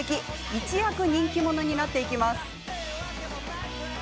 一躍、人気者になっていきます。